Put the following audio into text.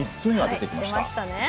出ましたね。